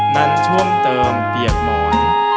มันช่วงเติมเปียกหมอน